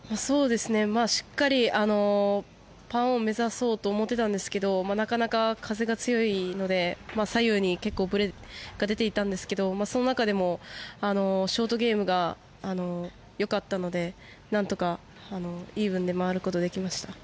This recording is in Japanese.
しっかりパーオンを目指そうと思っていたんですけどなかなか風が強いので左右に結構ぶれが出ていたんですがその中でもショートゲームがよかったのでなんとかイーブンで回ることができました。